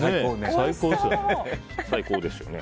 最高ですよね。